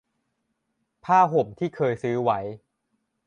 ผ้าห่มที่เคยซื้อไว้